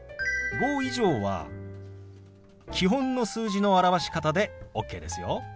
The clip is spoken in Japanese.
５以上は基本の数字の表し方でＯＫですよ。